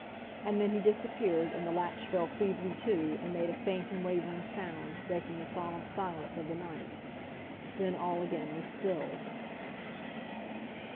And then he disappeared, and the latch fell feebly to, and made a faint and wavering sound, breaking the solemn silence of the night. Then all again was still.